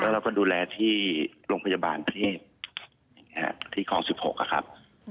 เราก็ดูแลที่โรงพยาบาลที่ที่กรอง๑๖ครับ